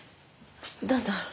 どうぞ。